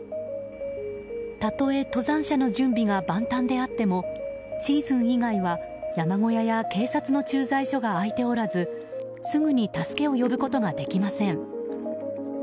たとえ登山者の準備が万端であってもシーズン以外は山小屋や警察の駐在所が開いておらずすぐに助けを呼ぶことができません。